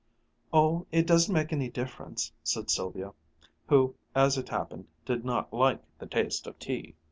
"Oh, it doesn't make any difference," said Sylvia, who, as it happened, did not like the taste of tea.